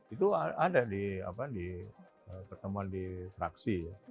itu ada di pertemuan di fraksi